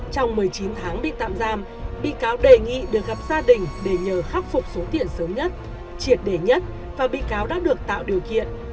trong một mươi chín tháng bị tạm giam bị cáo đề nghị được gặp gia đình để nhờ khắc phục số tiền sớm nhất triệt đề nhất và bị cáo đã được tạo điều kiện